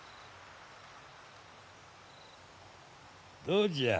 どうじゃ？